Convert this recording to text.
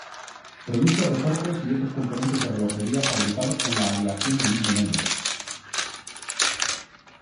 Produce resortes y otros componentes de relojería fabricados con la aleación del mismo nombre.